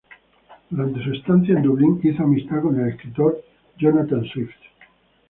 Durante su estancia en Dublín hizo amistad con el escritor Jonathan Swift.